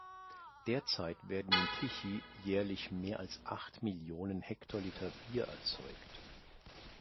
Derzeit werden in Tychy jährlich mehr als acht Millionen Hektoliter Bier erzeugt.